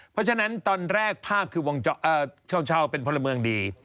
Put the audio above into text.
เพราะฉะนั้นตอนแรกภาพคือวงเช่าเป็นพลเมืองดี